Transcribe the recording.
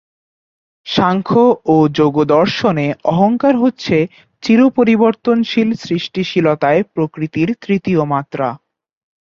সাংখ্য ও যোগদর্শনে অহংকার হচ্ছে চিরপরির্তনশীল সৃষ্টিশীলতায় প্রকৃতির তৃতীয় মাত্রা।